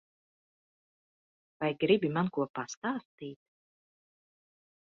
Vai gribi man ko pastāstīt?